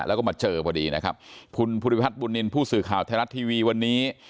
แล้วก็มาเจอพอดีนะครับคุณภูริพัฒนบุญนินทร์ผู้สื่อข่าวไทยรัฐทีวีวันนี้